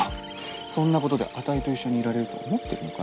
そんなことであたいと一緒にいられると思ってるのかい？